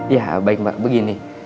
ya baik pak begini